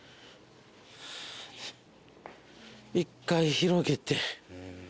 １回広げて。